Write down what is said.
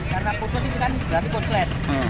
karena putus itu kan berarti koslet